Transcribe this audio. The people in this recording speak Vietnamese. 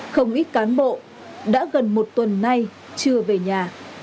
không ít cán bộ đã gần một tuần nay chưa về nhà